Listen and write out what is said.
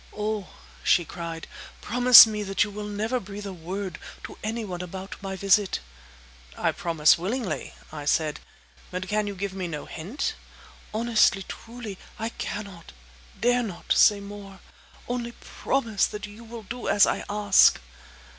"Oh," she cried, "promise me that you will never breathe a word to any one about my visit!" "I promise willingly," I said; "but can you give me no hint?" "Honestly, truly, I cannot, dare not, say more! Only promise that you will do as I ask!"